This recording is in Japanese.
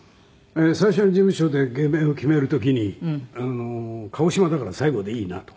最初の事務所で芸名を決める時に「鹿児島だから西郷でいいな」と。